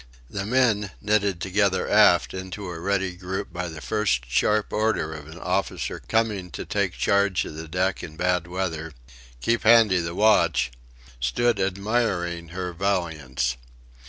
The men, knitted together aft into a ready group by the first sharp order of an officer coming to take charge of the deck in bad weather: "Keep handy the watch," stood admiring her valiance.